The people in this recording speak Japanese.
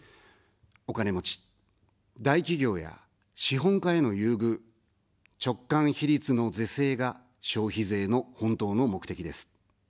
お金持ち、大企業や資本家への優遇、直間比率の是正が消費税の本当の目的です。